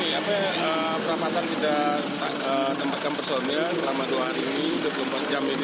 ini peramatan sudah menempatkan persoalannya selama dua hari ini dua puluh empat jam ini